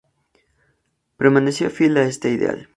Permaneció fiel a este ideal.